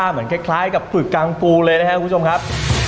เหมือนคล้ายกับฝึกกังปูเลยนะครับคุณผู้ชมครับ